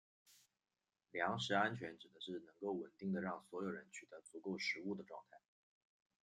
粮食安全指的是能够稳定地让所有人取得足够食物的状态。